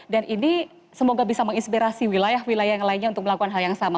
dan ini semoga bisa menginspirasi wilayah wilayah yang lainnya untuk melakukan hal yang sama